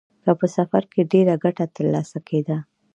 که په سفر کې ډېره ګټه ترلاسه کېده